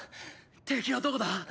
敵はどこだ？